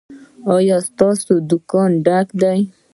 ایا ستاسو دکان ډک دی؟